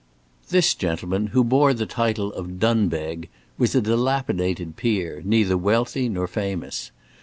This gentleman, who bore the title of Dunbeg, was a dilapidated peer, neither wealthy nor famous.